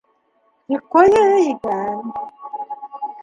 Тик ҡайһыһы икән?..